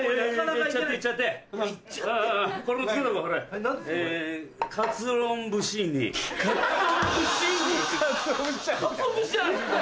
かつお節じゃないですか。